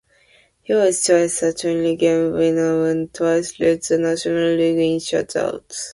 He was twice a twenty-game winner and twice led the National League in shutouts.